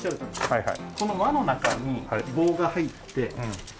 はいはい。